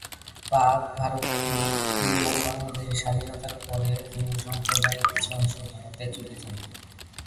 পাক-ভারত বিভক্তি এবং বাংলাদেশের স্বাধীনতার পরে হিন্দু সম্প্রদায়ের কিছু অংশ ভারতে চলে যান।